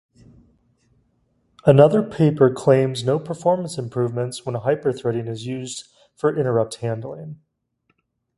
Another paper claims no performance improvements when hyper-threading is used for interrupt handling.